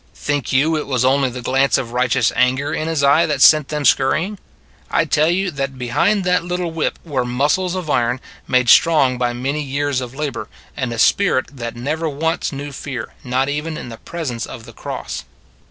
Think you it was only the glance of righteous anger in His eye that sent them scurrying? I tell you that behind that lit tle whip were muscles of iron, made strong by many years of labor, and a spirit that never once knew fear, not even in the pres ence of the cross.